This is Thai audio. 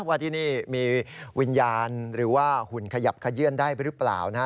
ว่าที่นี่มีวิญญาณหรือว่าหุ่นขยับขยื่นได้หรือเปล่านะฮะ